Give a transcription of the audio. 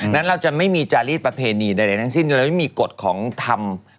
เดี๋ยวอาทิตย์หน้าอาทิตย์หน้า